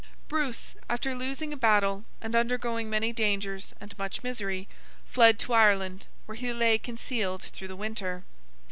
Bruce, after losing a battle and undergoing many dangers and much misery, fled to Ireland, where he lay concealed through the winter.